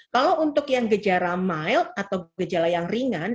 kalau untuk yang gejala mild atau gejala yang ringan